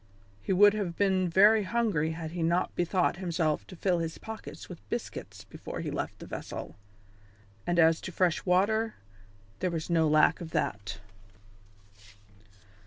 He would have been very hungry had he not bethought himself to fill his pockets with biscuits before he left the vessel. And as to fresh water, there was no lack of that.